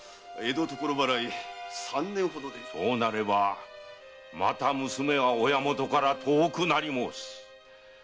そうなればまた娘は親元から遠くなり申す。